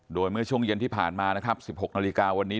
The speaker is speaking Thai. โดยเมื่อช่วงเย็นที่ผ่านมานะครับ๑๖นาฬิกาวันนี้